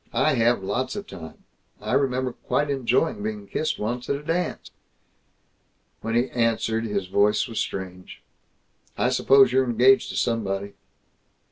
I have, lots of times. I remember quite enjoying being kissed once, at a dance." When he answered, his voice was strange: "I suppose you're engaged to somebody."